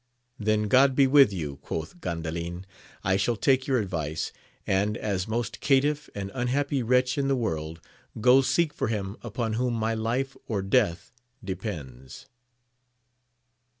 Then God be with you ! quoth Gandalin. I shall take your advice : and, as most caitiff and un happy wretch in the world, go seek for him upon whom my life or death depends.